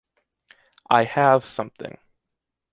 I have something.